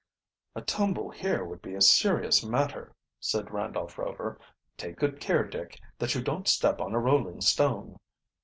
"A tumble here would be a serious matter," said Randolph Rover. "Take good care, Dick, that you don't step on a rolling stone."